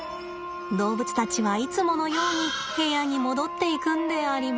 動物たちはいつものように部屋に戻っていくんであります。